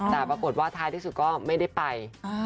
แต่ปรากฏว่าท้ายที่สุดก็ไม่ได้ไป